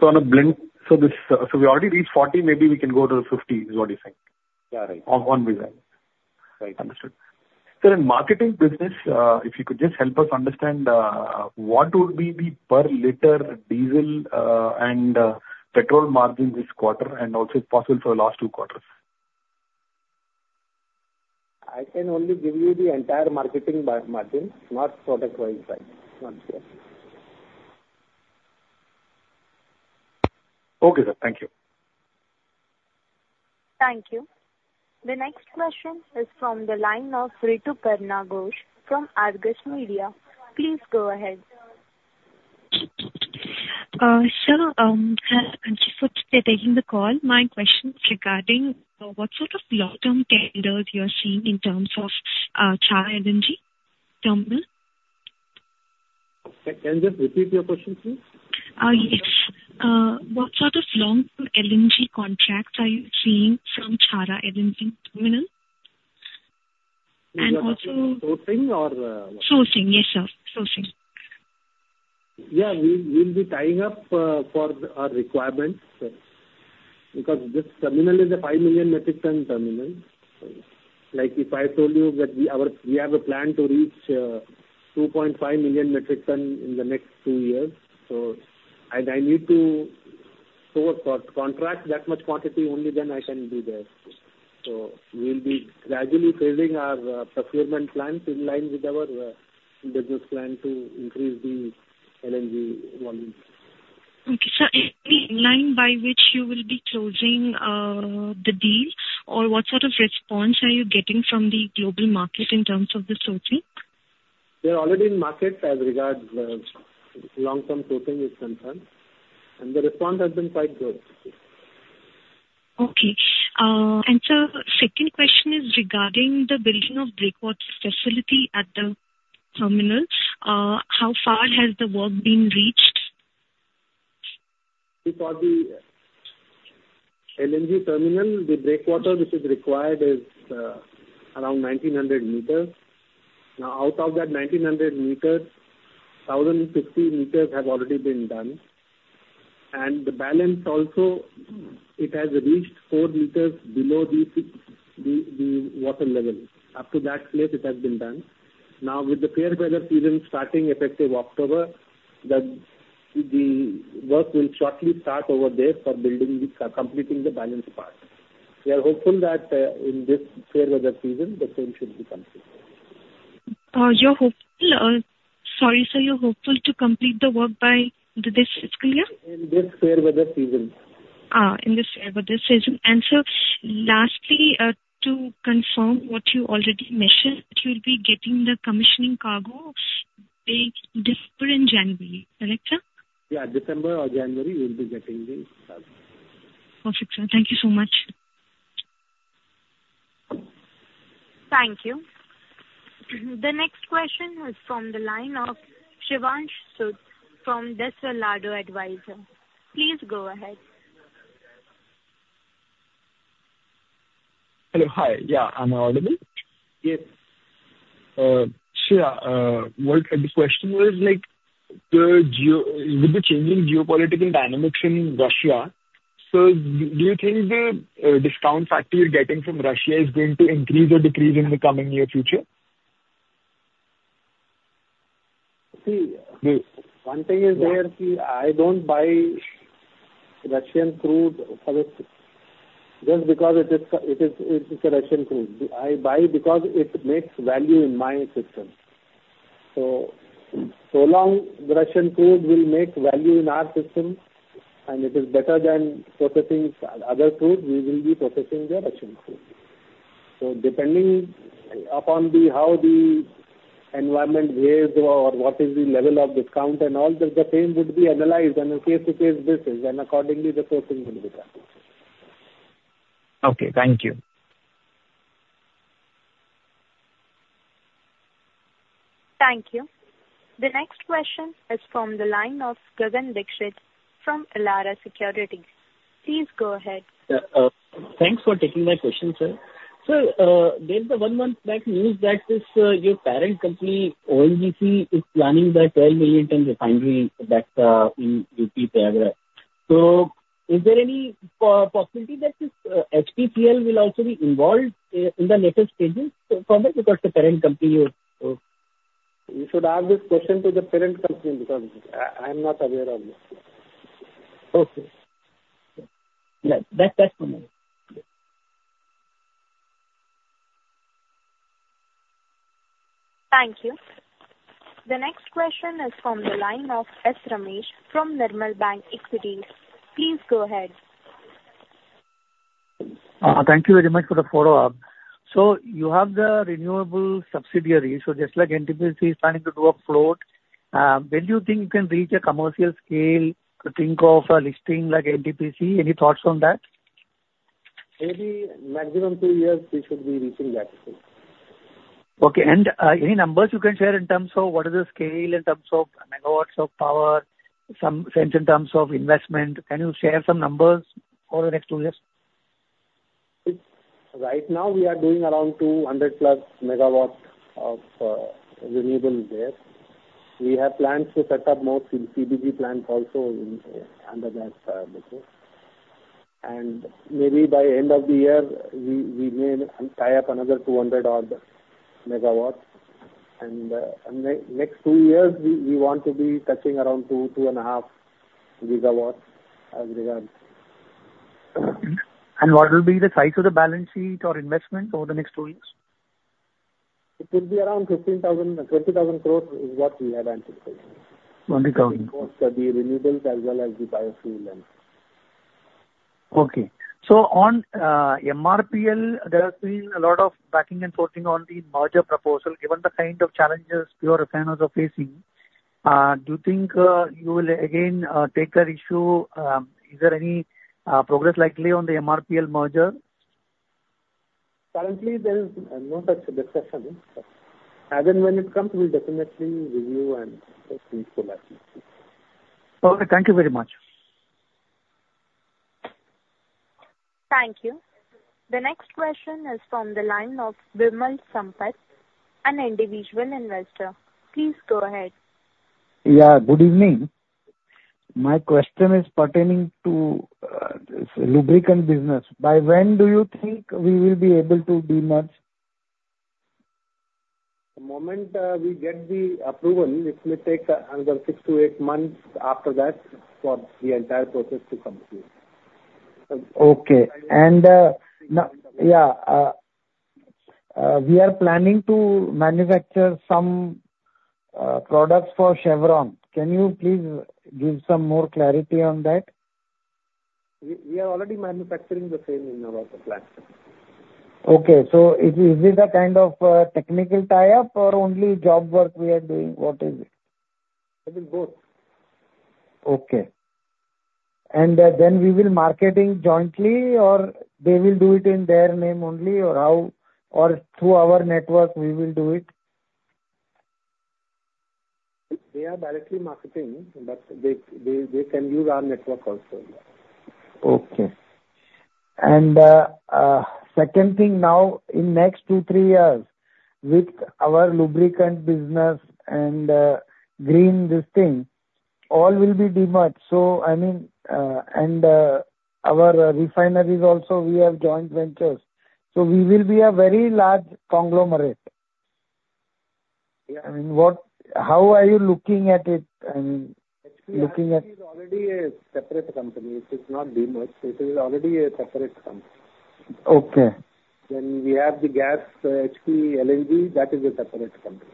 On a blend, we already reached 40%, maybe we can go to 50%, is what you're saying? Yeah, right. On Vizag. Right. Understood. Sir, in marketing business, if you could just help us understand what would be the per liter diesel and petrol margin this quarter, and also, if possible, for the last two quarters? I can only give you the entire marketing margins, not product-wise price. Not clear. Okay, sir. Thank you. Thank you. The next question is from the line of Rituparna Ghosh from Argus Media. Please go ahead. Sir, thank you for taking the call. My question is regarding what sort of long-term tenders you are seeing in terms of Chhara LNG terminal? Can you just repeat your question, please? Yes. What sort of long-term LNG contracts are you seeing from Chhara LNG Terminal? And also- Sourcing or. Sourcing, yes, sir. Sourcing. Yeah, we'll be tying up for our requirements, because this terminal is a 5 million metric ton terminal. Like, if I told you that we have a plan to reach 2.5 million metric ton in the next two years, so... And I need to source for contract that much quantity, only then I can do that. So we'll be gradually phasing our procurement plans in line with our business plan to increase the LNG volumes. Okay, sir. Is the line by which you will be closing, the deals, or what sort of response are you getting from the global market in terms of the sourcing? We are already in market as regards long-term sourcing is concerned, and the response has been quite good. Okay. And sir, second question is regarding the building of breakwaters facility at the terminal. How far has the work been reached? Because the LNG terminal, the breakwater, which is required, is around 1,900 m. Now, out of that 1,900 m, 1,050 m have already been done, and the balance also, it has reached four meters below the six-meter water level. Up to that place, it has been done. Now, with the fair weather season starting effective October, the work will shortly start over there for completing the balance part. We are hopeful that, in this fair weather season, the same should be completed. You're hopeful, sorry, sir, you're hopeful to complete the work by this fiscal year? In this fair weather season. Ah, in this fair weather season. And sir, lastly, to confirm what you already mentioned, you will be getting the commissioning cargo, December and January. Correct, sir? Yeah, December or January, we will be getting the cargo. Perfect, sir. Thank you so much. Thank you. The next question is from the line of Shivansh Sood from Desvelado Advisory. Please go ahead. Hello. Hi. Yeah, am I audible? Yes. So, yeah, what... the question was like, with the changing geopolitical dynamics in Russia, so do you think the discount factor you're getting from Russia is going to increase or decrease in the coming near future? See, one thing is there. I don't buy Russian crude just because it is Russian crude. I buy because it makes value in my system. So long as the Russian crude makes value in our system, and it is better than processing other crude, we will be processing the Russian crude. So depending upon how the environment weighs or what is the level of discount and all, the same would be analyzed on a case-to-case basis, and accordingly, the processing will be done. Okay, thank you. Thank you. The next question is from the line of Gagan Dixit from Elara Securities. Please go ahead. Thanks for taking my question, sir. Sir, there's the one month back news that is, your parent company, ONGC, is planning the 12 million ton refinery that in UP, Prayagraj. So is there any possibility that this, HPCL will also be involved in the later stages from it? Because the parent company is... You should ask this question to the parent company, because I, I'm not aware of it. Okay. Yeah, that, that's for me. Thank you. The next question is from the line of S. Ramesh from Nirmal Bang Equities. Please go ahead. Thank you very much for the follow-up. So you have the renewable subsidiary. So just like NTPC is planning to do a float, when do you think you can reach a commercial scale to think of a listing like NTPC? Any thoughts on that? Maybe, maximum two years, we should be reaching that point. Okay, and any numbers you can share in terms of what is the scale, in terms of megawatts of power, some sense in terms of investment? Can you share some numbers for the next two years? Right now, we are doing around 200+ MW of renewable there. We have plans to set up more CBG plants also in under that umbrella. And maybe by end of the year, we may tie up another 200 odd MW, and next two years, we want to be touching around 2.5 GW as regards. What will be the size of the balance sheet or investment over the next two years? It will be around 15,000 crore-20,000 crore is what we have anticipated. On the current- The renewables as well as the biofuel leg. Okay. So on MRPL, there has been a lot of back and forth on the merger proposal. Given the kind of challenges pure refiners are facing, do you think you will again take that issue? Is there any progress likely on the MRPL merger? Currently, there is no such discussion. As and when it comes, we'll definitely review and proceed further. Okay. Thank you very much. Thank you. The next question is from the line of Vimal Sampat, an individual investor. Please go ahead. Yeah, good evening. My question is pertaining to this lubricant business. By when do you think we will be able to demerge? The moment we get the approval, it may take another six to eight months after that for the entire process to complete. Okay. And, now, yeah, we are planning to manufacture some products for Chevron. Can you please give some more clarity on that? We are already manufacturing the same in our plants. Okay, so is this a kind of technical tie-up or only job work we are doing? What is it? It is both. Okay. And then we will marketing jointly, or they will do it in their name only or how, or through our network we will do it? They are directly marketing, but they can use our network also, yeah. Okay. And, second thing now, in next two, three years, with our lubricant business and, green business, all will be de-merged. So I mean, and, our refineries also, we have joint ventures, so we will be a very large conglomerate. Yeah. I mean, what? How are you looking at it? I mean, looking at. HPRGE is already a separate company. It is not de-merged. It is already a separate company. Okay. Then we have the gas, HPLNG, that is a separate company.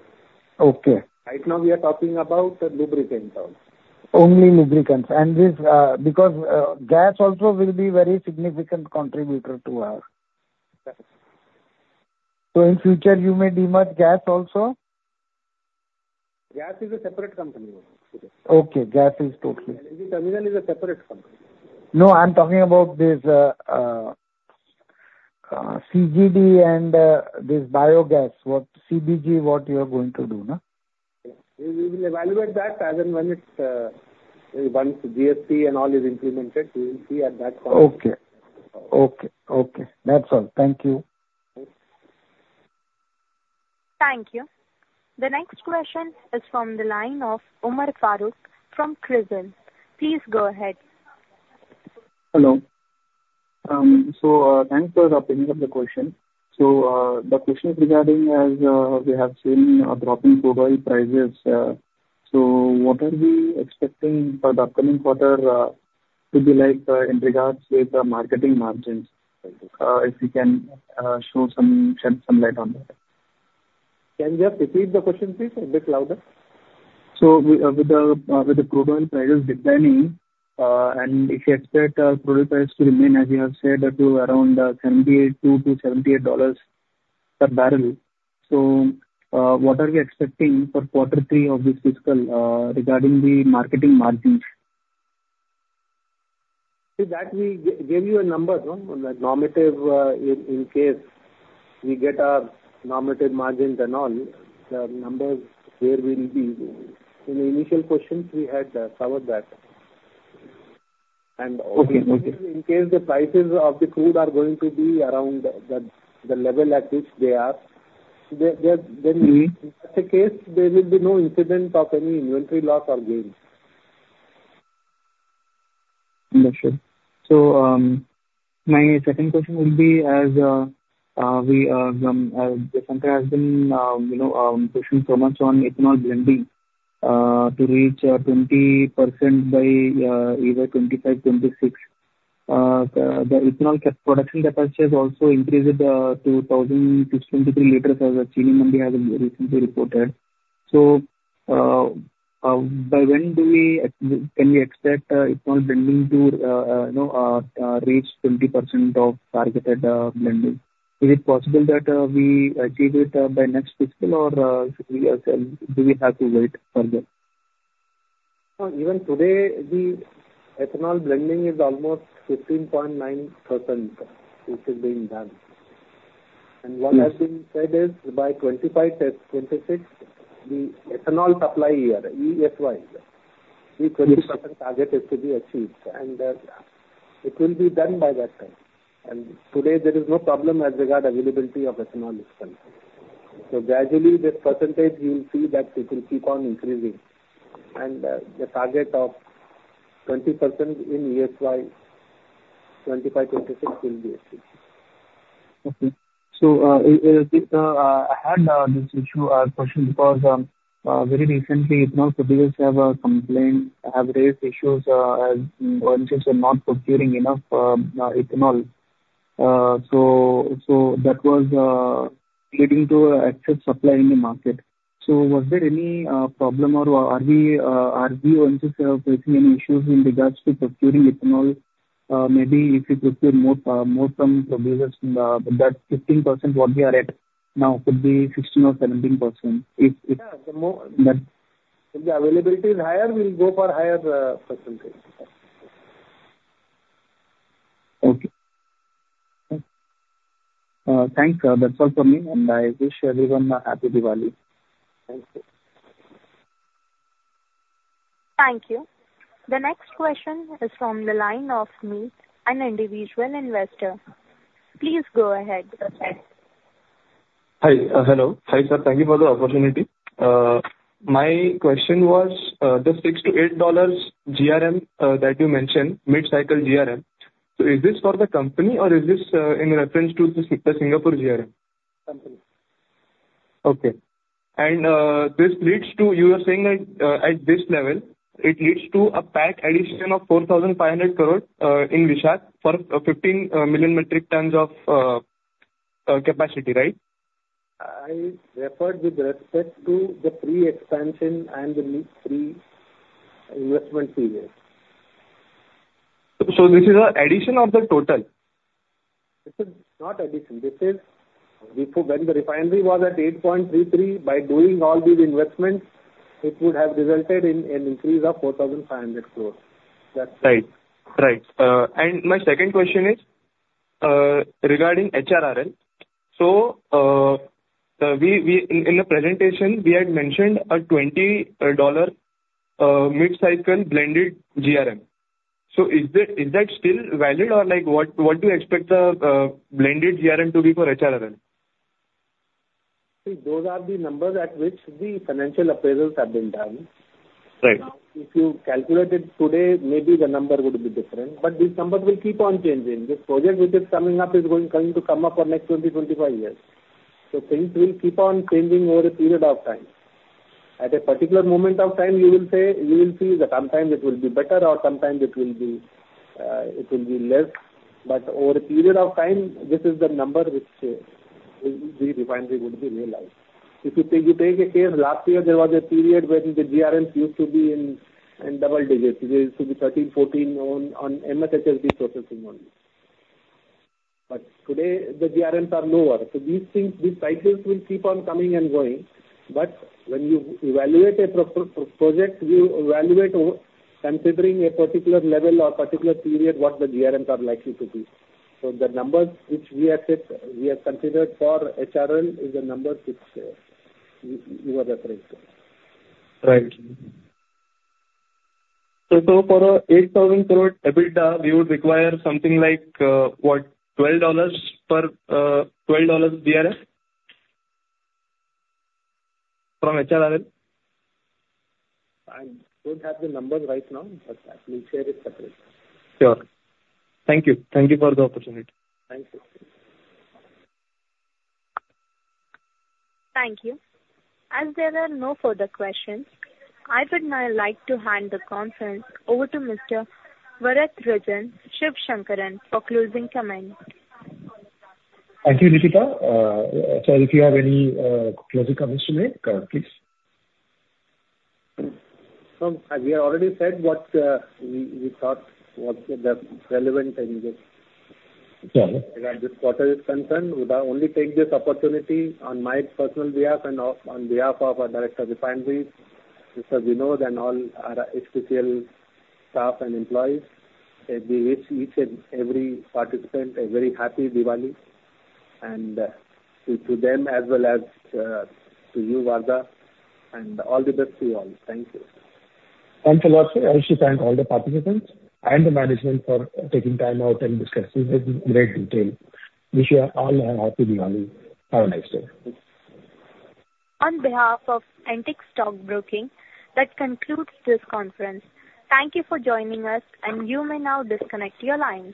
Okay. Right now we are talking about lubricants only. Only lubricants. And this, because gas also will be very significant contributor to us. Yes. So in future you may de-merge gas also? Gas is a separate company. Okay, gas is totally. LNG terminal is a separate company. No, I'm talking about this CGD and this biogas. What CBG, what you are going to do? We will evaluate that as and when it's once GST and all is implemented. We will see at that point. Okay. That's all. Thank you. Thank you. The next question is from the line of Umar Farooq from CRISIL. Please go ahead. Hello. So, thanks for the opening of the question. So, the question is regarding, as we have seen a drop in crude oil prices, so what are we expecting for the upcoming quarter to be like in regards with the marketing margins? If you can shed some light on that. Can you just repeat the question, please, a bit louder? With the crude oil prices declining, and if you expect crude oil prices to remain, as you have said, up to around $72-$78 per barrel, what are we expecting for quarter three of this fiscal regarding the marketing margins? See that we gave you a number, no, on the normative, in case we get our normative margins and all, the numbers where we'll be. In the initial questions, we had covered that. Okay. And in case the prices of the crude are going to be around the level at which they are, the--in such a case, there will be no incident of any inventory loss or gain. Understood. So, my second question would be as we, the center has been, you know, pushing so much on ethanol blending to reach 20% by either 2025, 2026. The ethanol production capacity has also increased to 1,623 liters, as ChiniMandi has recently reported. So, by when can we expect ethanol blending to, you know, reach 20% targeted blending? Is it possible that we achieve it by next fiscal, or do we have to wait further? No, even today, the ethanol blending is almost 15.9%, which is being done. What has been said is, by 2025-2026, the Ethanol Supply Year, ESY, the 20% target is to be achieved, and it will be done by that time. Today, there is no problem as regard availability of ethanol in this country. Gradually, this percentage, you will see that it will keep on increasing, and the target of 20% in ESY 2025-26 will be achieved. Okay. So, I had this issue, question because very recently, ethanol producers have complained, have raised issues as oil firms are not procuring enough ethanol. So that was leading to excess supply in the market. So was there any problem or are we going to have any issues in regards to procuring ethanol? Maybe if you procure more from producers, that 15% what we are at now could be 16% or 17%, if, if- Yeah, the more- But- If the availability is higher, we'll go for higher percentage. Okay. Thanks. That's all for me, and I wish everyone a happy Diwali. Thank you. Thank you. The next question is from the line of Neil, an individual investor. Please go ahead. Hi. Hello. Hi, sir, thank you for the opportunity. My question was, the $6-$8 GRM that you mentioned, mid-cycle GRM, so is this for the company or is this in reference to the Singapore GRM? Company. Okay. And this leads to... You are saying that, at this level, it leads to a PAT addition of 4,500 crore in Visakh for 15 million metric tons of capacity, right? I referred with respect to the pre-expansion and the mid-pre investment period. So this is an addition of the total? This is not addition. This is before, when the refinery was at 8.33, by doing all these investments, it would have resulted in an increase of 4,500 crore. That's- Right. Right. And my second question is, regarding HRRL. So, in the presentation, we had mentioned a $20 mid-cycle blended GRM. So is that still valid or like what do you expect the blended GRM to be for HRRL? See, those are the numbers at which the financial appraisals have been done. Right. If you calculate it today, maybe the number would be different, but these numbers will keep on changing. This project, which is coming up, is going to come up for next 20-25 years. So things will keep on chanTging over a period of time. At a particular moment of time, you will say you will see that sometimes it will be better or sometimes it will be, it will be less. But over a period of time, this is the number which the refinery would be realized. If you take a case, last year there was a period when the GRMs used to be in double digits. It used to be 13-14 on MS HSD processing only. But today, the GRMs are lower. So these things, these cycles will keep on coming and going, but when you evaluate a project, you evaluate considering a particular level or particular period, what the GRMs are likely to be. So the numbers which we have said we have considered for HRRL is the number which you are referring to. Right. So for 8,000 crore EBITDA, we would require something like, what, $12 per, $12 GRM from HRRL? I don't have the numbers right now, but I will share it separately. Sure. Thank you. Thank you for the opportunity. Thank you. Thank you. As there are no further questions, I would now like to hand the conference over to Mr. Varatharajan Sivasankaran for closing comments. Thank you, Nikita. Sir, if you have any closing comments to make, please. No. As we have already said what we thought was the relevant in this. As this quarter is concerned, would only take this opportunity on my personal behalf and on behalf of our Director of Refineries, Mr. Vinod, and all our HPCL staff and employees, we wish each and every participant a very happy Diwali, and to them as well as to you, Varatha, and all the best to you all. Thank you. Thanks a lot, sir. I wish to thank all the participants and the management for taking time out and discussing this in great detail. Wish you all a happy Diwali. Have a nice day. On behalf of Antique Stock Broking, that concludes this conference. Thank you for joining us, and you may now disconnect your lines.